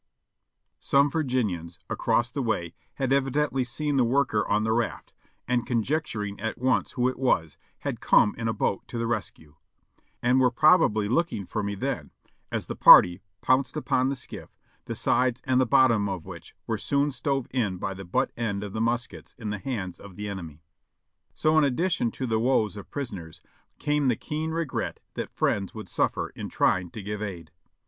Some Virginians across the way had evidently seen the worker on the raft, and conjecturing at once who it was, had come in a boat to the rescue, and were probably looking for me then as the party pounced upon the skift*, the sides and bottom of which were soon stove in by the butt end of the muskets in the hands of the enemy. So in addition to the woes of prisoners, came the keen regret that friends would suffer in trying to give aid.